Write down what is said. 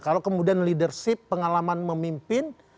kalau kemudian leadership pengalaman memimpin